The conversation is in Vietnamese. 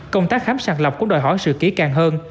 công tác khám sàng lọc cũng đòi hỏi sự kỹ càng hơn